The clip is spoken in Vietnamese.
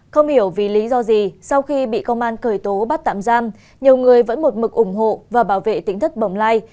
không hiểu vì lý do gì sau khi bị công an cởi tố bắt tạm giam nhiều người vẫn một mực ủng hộ và bảo vệ tính thất bồng lai